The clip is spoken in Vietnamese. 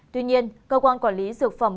tuy nhiên cơ quan quản lý dược phẩm